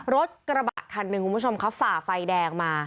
รถกระบาดคัน๑คุณผู้ชมฝ่าไฟแดงมา